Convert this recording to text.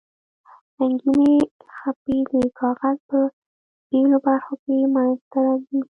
رنګینې خپې د کاغذ په بیلو برخو کې منځ ته راځي.